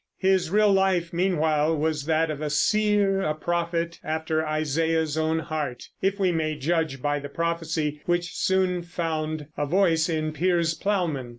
His real life meanwhile was that of a seer, a prophet after Isaiah's own heart, if we may judge by the prophecy which soon found a voice in Piers Plowman.